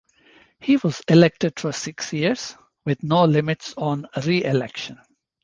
He was elected for six years, with no limits on reelection.